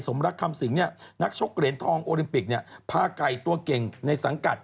สมรักคำสิงนักชกเหรนทองโอลิมปิกผ้าไก่ตัวเก่งในสังกัด